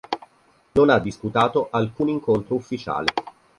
Non ha disputato alcun incontro ufficiale.